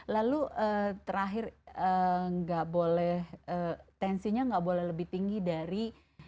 lalu terakhir nggak boleh tensinya nggak boleh lebih tinggi dari